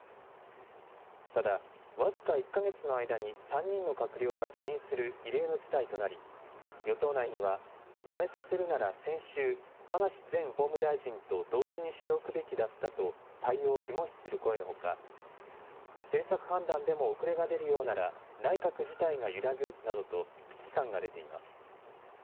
ただ、僅か１か月の間に３人の閣僚が辞任する異例の事態となり、与党内には、辞めさせるなら先週、葉梨前法務大臣と同時にしておくべきだったと、対応を疑問視する声のほか、政策判断でも遅れが出るようなら内閣自体が揺らぐなどと危機感が出ています。